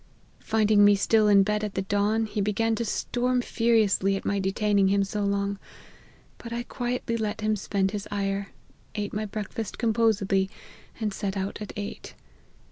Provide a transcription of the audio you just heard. Finding me still in bed at the dawn, he began to storm furiously at my detaining him so long ; but I quietly let him spend his ire, ate my breakfast composedly, and set out at eight.